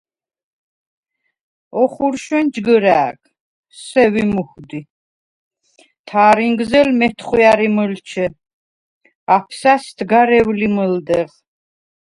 ოხურშვენ ჯგჷრა̄̈გ – სვევი მუჰვდი, თა̈რინგზელ – მეთხვია̈რი მჷლჩე, აფსასდ – გარევლი მჷლდეღ.